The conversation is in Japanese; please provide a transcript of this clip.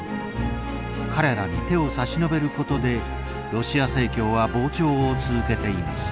彼らに手を差し伸べることでロシア正教は膨張を続けています。